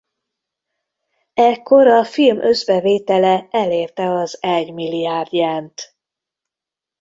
Ekkor a film összbevétele elérte az egymilliárd jent.